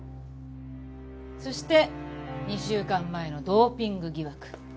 そして２週間前のドーピング疑惑。